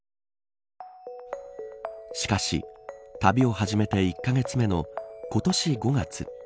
しかし、旅を始めて１カ月目の今年５月。